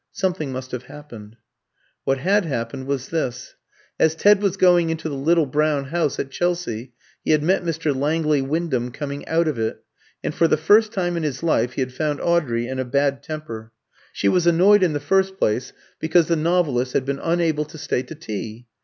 Something must have happened. What had happened was this. As Ted was going into the little brown house at Chelsea he had met Mr. Langley Wyndham coming out of it; and for the first time in his life he had found Audrey in a bad temper. She was annoyed, in the first place, because the novelist had been unable to stay to tea.